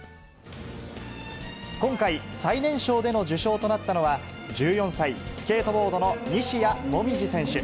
今回、最年少での受章となったのは、１４歳、スケートボードの西矢椛選手。